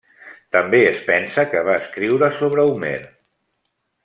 També es pensa que va escriure sobre Homer.